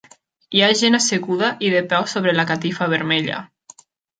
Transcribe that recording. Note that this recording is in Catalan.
Hi ha gent asseguda i de peu sobre la catifa vermella.